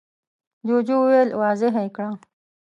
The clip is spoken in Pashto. جوجو وويل: واضح يې کړه!